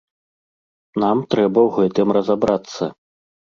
Нам трэба ў гэтым разабрацца.